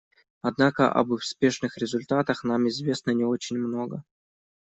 Однако об успешных результатах нам известно не очень много.